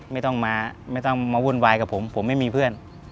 ไม่ต้องมาไม่ต้องมาวุ่นวายกับผมผมไม่มีเพื่อน